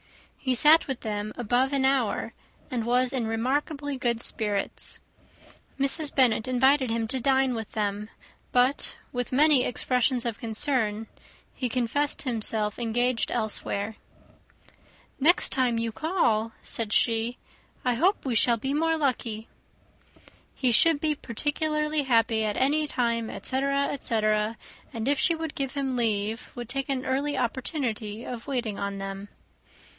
He sat with them above an hour, and was in remarkably good spirits. Mrs. Bennet invited him to dine with them; but, with many expressions of concern, he confessed himself engaged elsewhere. "Next time you call," said she, "I hope we shall be more lucky." He should be particularly happy at any time, etc., etc.; and if she would give him leave, would take an early opportunity of waiting on them.